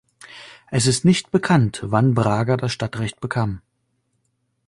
Es ist nicht bekannt, wann Braga das Stadtrecht bekam.